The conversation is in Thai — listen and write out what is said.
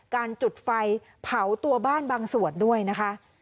การจุดไฟเผาตัวบ้านบางส่วนด้วยนะคะ